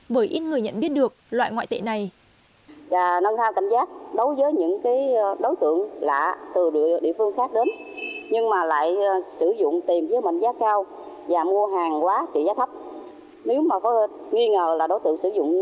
bởi ít người nhận biết được loại ngoại tệ này